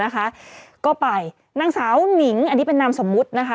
ก็ไปนางสาวหนิงอันนี้เป็นนามสมมุตินะคะ